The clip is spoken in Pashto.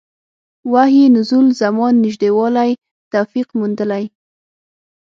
وحي نزول زمان نژدې والی توفیق موندلي.